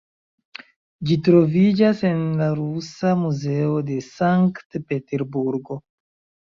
Ĝi troviĝas en la Rusa Muzeo de Sankt-Peterburgo.